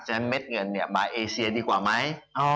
ฉะเม็ดเงินมาเอเซียดีกว่าไหม